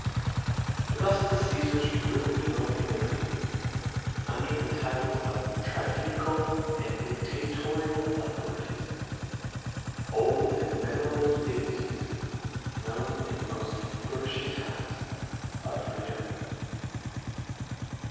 Thus the Ca?fars ruined Roman liberty, under the titles of tribunical and dictatorial authorities, old and venerable dignities, known in the moft flourilhing times of free dom.